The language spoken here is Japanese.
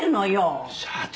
社長。